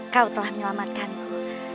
kau telah menyelamatkanku